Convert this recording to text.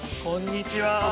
こんにちは。